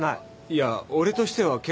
いや俺としては結構。